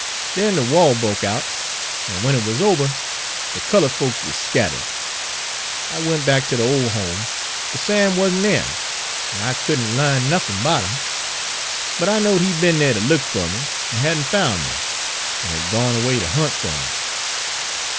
"Den de wah broke out, an' w'en it wuz ober de cullud folks wuz scattered. I went back ter de ole home; but Sam wuz n' dere, an' I could n' l'arn nuffin' 'bout 'im. But I knowed he 'd be'n dere to look fer me an' had n' foun' me, an' had gone erway ter hunt fer me.